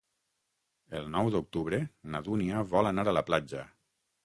El nou d'octubre na Dúnia vol anar a la platja.